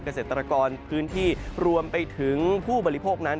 เกษตรกรพื้นที่รวมไปถึงผู้บริโภคนั้น